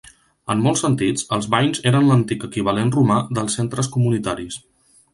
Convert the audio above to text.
En molts sentits, els banys eren l'antic equivalent romà dels centres comunitaris.